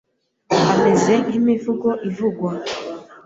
Ameze nk'imivugo ivugwa